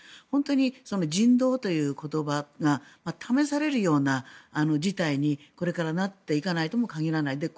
本当に人道という言葉が試されるような事態にこれからなっていかないとも限らない。